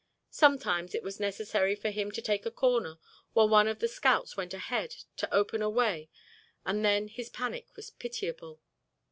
Sometimes it was necessary for him to take a corner while one of the scouts went ahead to open a way and then his panic was pitiable.